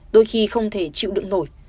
đôi khi không thể chịu đựng nổi